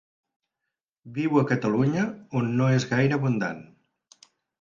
Viu a Catalunya on no és gaire abundant.